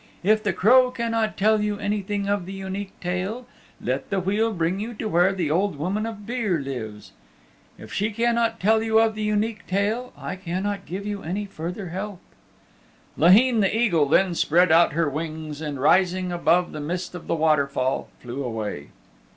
If the Crow cannot tell you anything of the Unique Tale, let the wheel bring you to where the Old Woman of Beare lives. If she cannot tell you of the Unique Tale, I cannot give you any further help." Laheen the Eagle then spread out her wings and rising above the mist of the waterfall flew away.